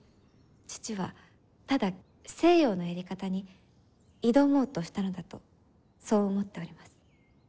父はただ西洋のやり方に挑もうとしたのだとそう思っております。